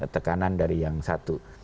tekanan dari yang satu